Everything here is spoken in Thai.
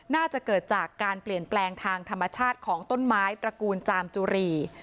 น่าจะเกิดจากการเปลี่ยนแปลงทางธรรมชาติของต้นไม้ตระกูลจามจุรี